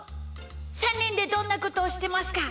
３にんでどんなことをしてますか？